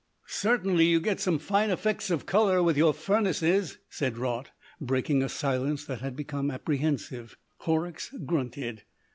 "Certainly you get some fine effects of colour with your furnaces," said Raut, breaking a silence that had become apprehensive. Horrocks grunted.